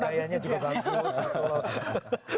gayanya juga bagus